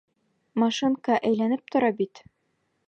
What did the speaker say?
— Машинка әйләнеп тора бит...